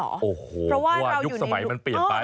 โอ้โหเพราะว่ายุคสมัยมันเปลี่ยนไป